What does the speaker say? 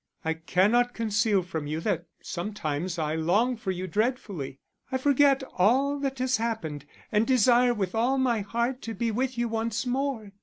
I cannot conceal from you that sometimes I long for you dreadfully. I forget all that has happened, and desire with all my heart to be with you once more.